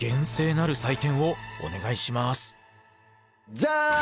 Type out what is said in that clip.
ジャン！